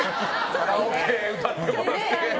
カラオケ歌ってもらって。